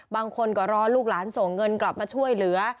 บางคนก็รอลูกหลานส่งเงินกลับมาช่วยเหลือ